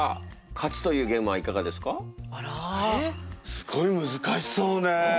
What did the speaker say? すごい難しそうね。